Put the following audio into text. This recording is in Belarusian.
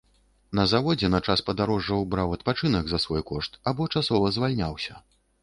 На заводзе на час падарожжаў браў адпачынак за свой кошт або часова звальняўся.